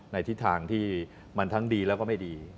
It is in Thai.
ในทิศทางที่มันทั้งดีแล้วก็ไม่ดี